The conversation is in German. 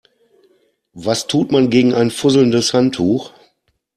Was tut man gegen ein fusselndes Handtuch?